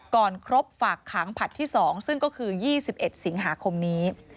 ครบฝากขังผลัดที่๒ซึ่งก็คือ๒๑สิงหาคมนี้